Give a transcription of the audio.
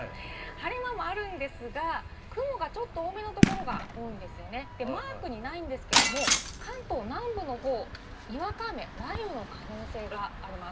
晴れ間もあるんですが、雲がちょっと多めのところが多いんですよね、マークにないんですけれども、関東南部の方、にわか雨、雷雨の可能性があります。